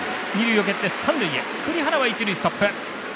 栗原は一塁ストップ。